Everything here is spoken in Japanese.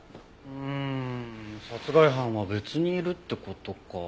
うん殺害犯は別にいるって事か。